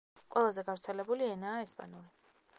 ყველაზე გავრცელებული ენაა ესპანური.